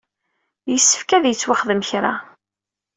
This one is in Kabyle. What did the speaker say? Yessefk ad yettwaxdem kra.